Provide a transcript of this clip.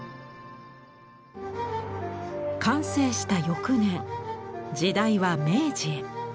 完成した翌年時代は明治へ。